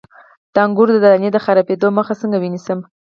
د انګورو د دانې د خرابیدو مخه څنګه ونیسم؟